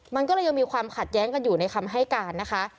มันก็เลยยังมีความขัดแย้งกันอยู่ในคำให้การนะคะ